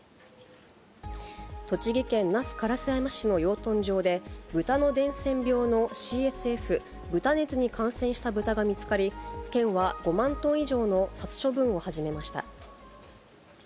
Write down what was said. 栃木県那須烏山市の養豚場で、豚の伝染病のＣＳＦ・豚熱に感染した豚が見つかり、県は５万頭以上の殺処分を始めました。